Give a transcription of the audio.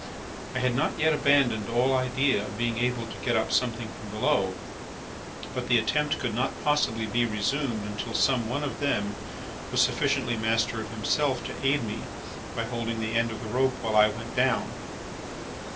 I had not yet abandoned all idea of being able to get up something from below; but the attempt could not possibly be resumed until some one of them was sufficiently master of himself to aid me by holding the end of the rope while I went down.